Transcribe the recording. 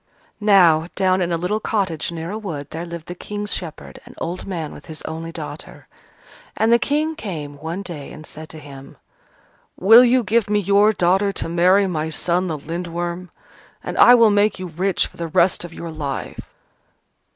Now, down in a little cottage near a wood, there lived the King's shepherd, an old man with his only daughter. And the King came one day and said to him, "Will you give me your daughter to marry my son the Lindworm? And I will make you rich for the rest of your life."